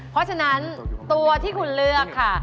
เพราะฉะนั้นตัวที่คุณเลือกค่ะ